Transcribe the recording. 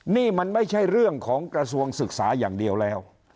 นี่มันไม่ใช่เรื่องของกระทรวงศึกษาอย่างเดียวแล้ว